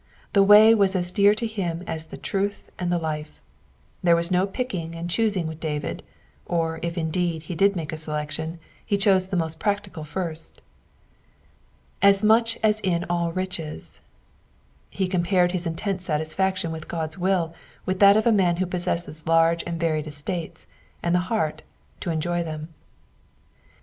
The Way was as dear to him as the Truth and the Life. There was no picking and choosing with David, or if indeed he did make a selection, he chose the most practic^ first. ^ much as in all riches.^^ He compared his intense satisfaction with God's will with that of a man who possesses large and varied estates, and the heart to enjoy them.